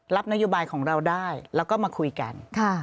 รับนโยบายของเราได้แล้วก็มาคุยกัน